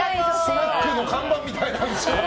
スナックの看板みたいな。